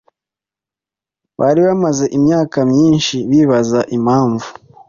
bari bamaze imyaka myinshi bibaza impamvu